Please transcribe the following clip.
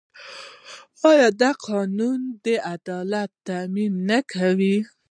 آیا دا قانون د عدالت تامین نه کوي؟